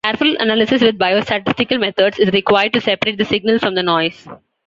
Careful analysis with biostatistical methods is required to separate the signal from the noise.